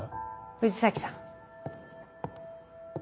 藤崎さん。